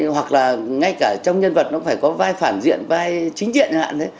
hoặc là ngay cả trong nhân vật nó phải có vai phản diện vai chính diện như thế